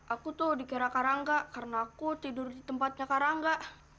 aku tuh dikira karangga karena aku tidur di tempatnya karangga